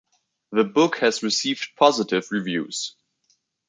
The book has received positive reviews.